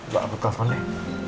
bapak abut telepon deh